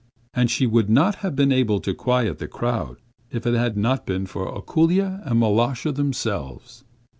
And she would not have been able to quiet the crowd, if it had not been for Ako√∫lya and Mal√°sha themselves.